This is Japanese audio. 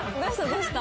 どうした？